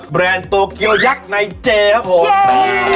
แรนด์โตเกียวยักษ์ในเจครับผม